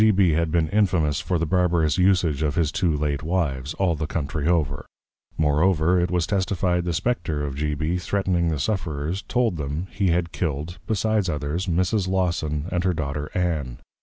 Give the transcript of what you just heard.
Now, G. B. had been Infamous for the Barbarous usage of his two late Wives, all the Country over. Moreover, it was testified, the Spectre of G. B. threatning of the Sufferers, told them, he had Killed (besides others) Mrs. Lawson and her Daughter Ann.